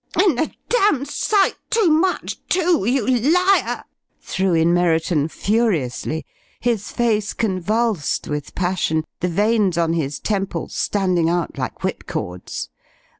"And a damned sight too much, too, you liar!" threw in Merriton, furiously, his face convulsed with passion, the veins on his temple standing out like whipcords.